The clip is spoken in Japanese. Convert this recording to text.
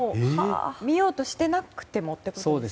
見ようとしてなくてもってことですね。